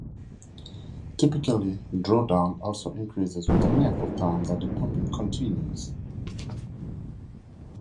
Typically, drawdown also increases with the length of time that the pumping continues.